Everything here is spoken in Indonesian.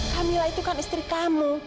kamilah itu kan istri kamu